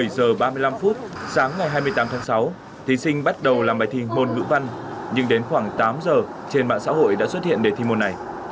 bảy giờ ba mươi năm phút sáng ngày hai mươi tám tháng sáu thí sinh bắt đầu làm bài thi môn ngữ văn nhưng đến khoảng tám giờ trên mạng xã hội đã xuất hiện đề thi môn này